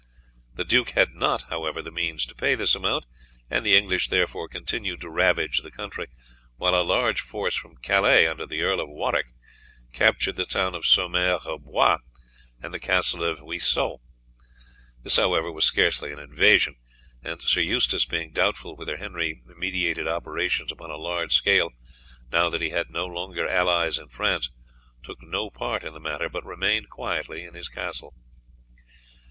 The Duke had not, however, the means to pay this amount, and the English therefore continued to ravage the country, while a large force from Calais, under the Earl of Warwick, captured the town of Saumer au Bois and the Castle of Ruissault. This, however, was scarcely an invasion, and Sir Eustace, being doubtful whether Henry meditated operations upon a large scale now that he had no longer allies in France, took no part in the matter, but remained quietly in his castle.